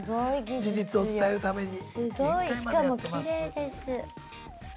事実を伝えるために限界までやってます。